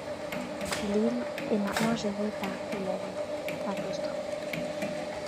L'île est maintenant gérée par l' '.